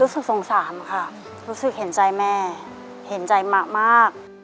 สงสารค่ะรู้สึกเห็นใจแม่เห็นใจมะมาก